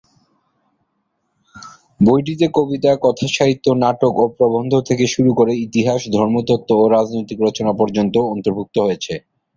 বইটিতে কবিতা, কথাসাহিত্য, নাটক ও প্রবন্ধ থেকে শুরু করে ইতিহাস, ধর্মতত্ত্ব ও রাজনৈতিক রচনা পর্যন্ত অন্তর্ভুক্ত হয়েছে।